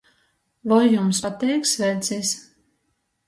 Voi jums pateik svecis?